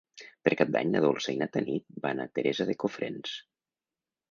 Per Cap d'Any na Dolça i na Tanit van a Teresa de Cofrents.